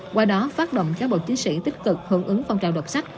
qua đó phát động cán bộ chiến sĩ tích cực hưởng ứng phong trào đập sắt